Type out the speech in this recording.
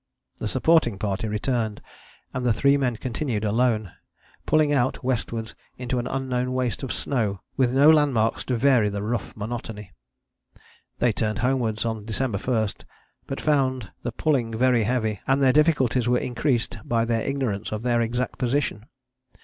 The supporting party returned, and the three men continued alone, pulling out westwards into an unknown waste of snow with no landmarks to vary the rough monotony. They turned homewards on December 1, but found the pulling very heavy; and their difficulties were increased by their ignorance of their exact position.